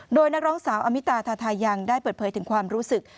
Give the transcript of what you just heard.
โดยนักร้องสาวอมิตาทาทายังได้เปิดเผยถึงความรู้สึก